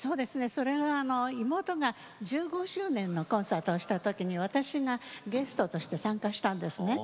それが妹が１５周年のコンサートをした時に私がゲストとして参加したんですね。